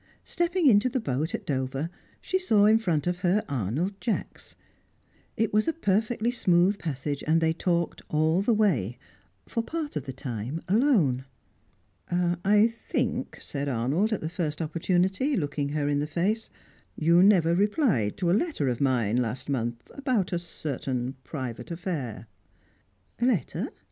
Stepping into the boat at Dover, she saw in front of her Arnold Jacks. It was a perfectly smooth passage, and they talked all the way; for part of the time, alone. "I think," said Arnold, at the first opportunity, looking her in the face, "you never replied to a letter of mine last month about a certain private affair?" "A letter?